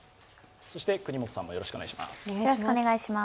國本さんも、よろしくお願いします